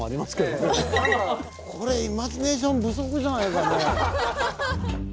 これイマジネーション不足じゃないかね。